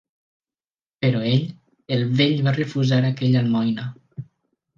Però ell, el vell va refusar aquella almoina.